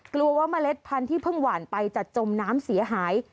กลัวว่าเมล็ดพันธุ์ที่เพิ่งหวานไปจะจมน้ำเสียหาย